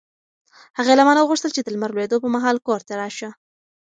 هغې له ما نه وغوښتل چې د لمر لوېدو پر مهال کور ته راشه.